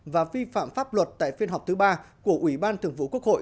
và vi phạm pháp luật tại phiên họp thứ ba của ủy ban thường vụ quốc hội